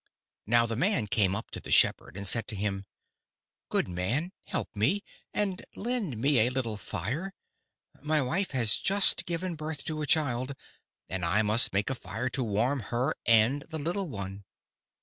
"Now the man came up to the shepherd and said to him: 'Good man, help me, and lend me a little fire! My wife has just given birth to a child, and I must make a fire to warm her and the little one.